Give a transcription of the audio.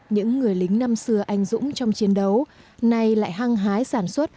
những người lính năm xưa anh dũng trong chiến đấu